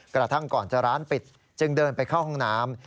กระทั่งก่อนจะร้านปิดจึงเดินไปเข้าห้องน้ำ